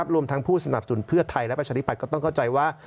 รวมทั้งผู้สนับสนุนเพื่อไทยและประชาธิบัตย์ก็ต้องเข้าใจว่า